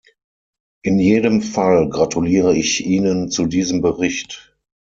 In jedem Fall gratuliere ich Ihnen zu diesem Bericht.